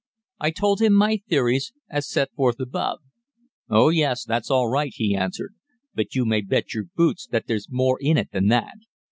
"I told him my theories as set forth above. "'Oh, yes, that's all right,' he answered. 'But you may bet your boots that there's more in it than that.